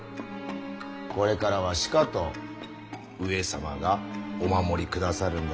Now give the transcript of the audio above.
これからはしかと上様がお守りくださるんだに。